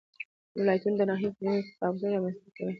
ولایتونه د ناحیو ترمنځ تفاوتونه رامنځ ته کوي.